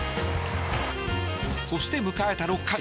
そして、迎えた６回。